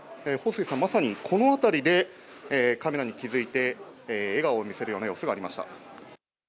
彭帥さん、まさにこの辺りでカメラに気付いて、笑顔を見せるような様子がありました。